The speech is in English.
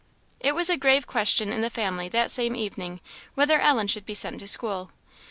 It was a grave question in the family that same evening, whether Ellen should be sent to school.